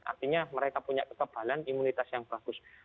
artinya mereka punya kekebalan imunitas yang bagus